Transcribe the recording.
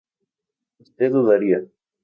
usted dudaría